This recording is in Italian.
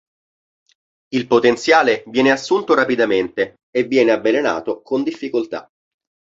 Il potenziale viene assunto rapidamente e viene avvelenato con difficoltà.